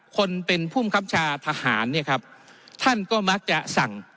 คนเป็นผู้คำชาทหารท่านก็มักจะสั่ง